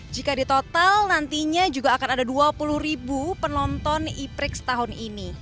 jika ditotal nantinya juga akan ada dua puluh penonton e prix tahun ini